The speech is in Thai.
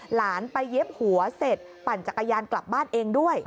หลานไปเย็บหัวเสร็จปั่นจักรยานกลับบ้านเองด้วย